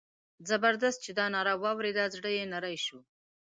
زبردست چې دا ناره واورېده زړه یې نری شو.